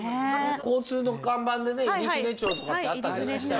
交通の看板でね入船町とかってあったじゃないですか。